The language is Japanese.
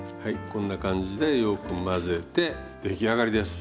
こんな感じでよく混ぜて出来上がりです。